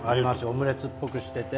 オムレツっぽくしてて。